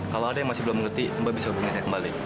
kalau ada yang masih belum mengerti mbak bisa hubungi saya kembali